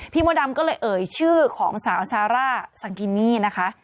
มดดำก็เลยเอ่ยชื่อของสาวซาร่าสังกินี่นะคะ